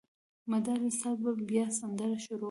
مداري استاد به بیا سندره شروع کړه.